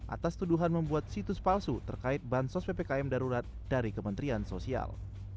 atas tuduhan membuat situs palsu terkait bansos ppkm darurat dari kementerian sosial